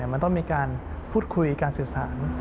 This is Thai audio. มันต้องมีการพูดคุยการสื่อสาร